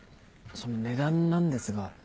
その値段なんですが。